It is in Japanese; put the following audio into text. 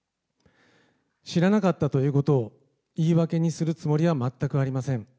知らなかったということを言い訳にするつもりは全くありません。